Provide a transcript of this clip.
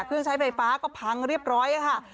เครื่องใช้ไฟฟ้าก็พังเรียบร้อยค่ะ